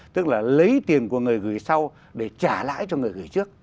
tức là lấy tiền của người gửi sau để trả lãi cho người gửi trước